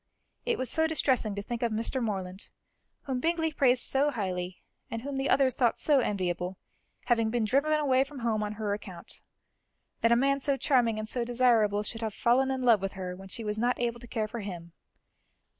It was so distressing to think of Mr. Morland, whom Bingley praised so highly and whom the others thought so enviable, having been driven away from home on her account; that a man so charming and so desirable should have fallen in love with her when she was not able to care for him.